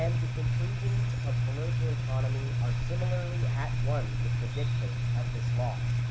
the con clusions of political economy are similarly at one with the dictates of this law.